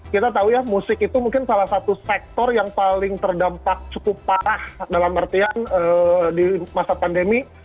kita tahu ya musik itu mungkin salah satu sektor yang paling terdampak cukup parah dalam artian di masa pandemi